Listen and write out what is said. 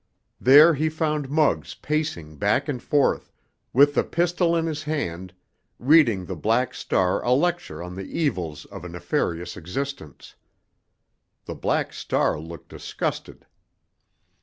There he found Muggs pacing back and forth, with the pistol in his hand, reading the Black Star a lecture on the evils of a nefarious existence. The Black Star looked disgusted.